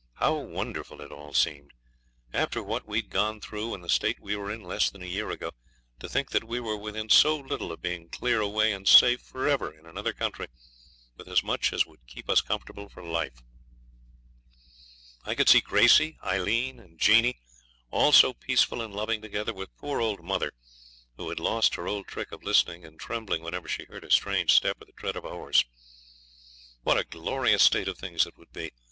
How wonderful it all seemed! After what we had gone through and the state we were in less than a year ago, to think that we were within so little of being clear away and safe for ever in another country, with as much as would keep us comfortable for life. I could see Gracey, Aileen, and Jeanie, all so peaceful and loving together, with poor old mother, who had lost her old trick of listening and trembling whenever she heard a strange step or the tread of a horse. What a glorious state of things it would be!